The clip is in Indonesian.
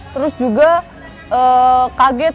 terus juga kaget